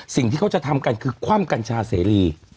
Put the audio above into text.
สิ่งที่เขาจะทำกันคือคว่ำกัญชาเสรี